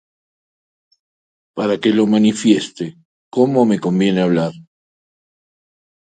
Para que lo manifieste como me conviene hablar.